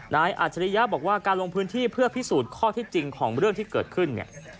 อาจริยะบอกว่าการลงพื้นที่เพื่อพิสูจน์ข้อที่จริงของเรื่องที่เกิดขึ้นเนี่ย